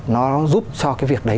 nó giúp cho cái việc đấy